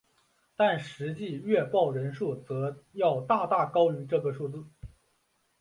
但实际阅报人数则要大大高于这个数字。